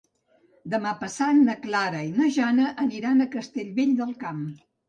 Demà passat na Clara i na Jana aniran a Castellvell del Camp.